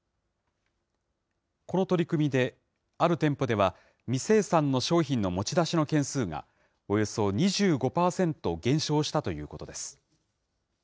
この取り組みで、ある店舗では、未清算の商品の持ち出しの件数が、およそ２５％減少したということです。